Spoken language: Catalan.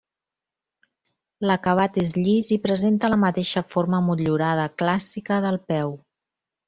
L'acabat és llis i presenta la mateixa forma motllurada clàssica del peu.